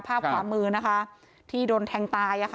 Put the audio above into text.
ภาพขวามือนะคะที่โดนแทงตาย